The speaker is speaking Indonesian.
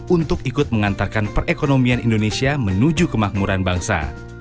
untuk ikut mengantarkan perekonomian indonesia menuju kemakmuran bangsa